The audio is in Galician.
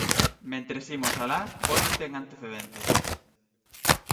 Mentres imos alá, póñote en antecedentes.